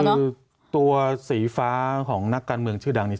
คือตัวสีฟ้าของนักการเมืองชื่อดังนี้